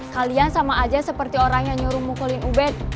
kalian sama aja seperti orang yang nyuruh mukulin ubed